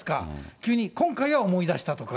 急に、今回は思い出したとか。